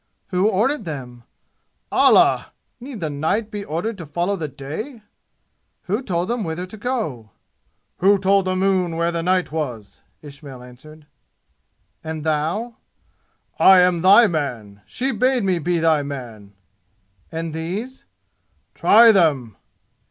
"Who ordered them?" "Allah! Need the night be ordered to follow the Day?" "Who told them whither to go?" "Who told the moon where the night was?" Ismail answered. "And thou?" "I am thy man! She bade me be thy man!" "And these?" "Try them!"